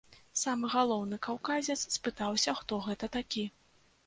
Самы галоўны каўказец спытаўся, хто гэта такі.